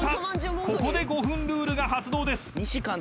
［ここで５分ルールが発動です］